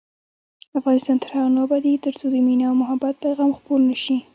افغانستان تر هغو نه ابادیږي، ترڅو د مینې او محبت پیغام خپور نشي.